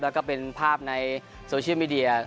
แล้วก็เป็นภาพในโซเชียลมีเดีย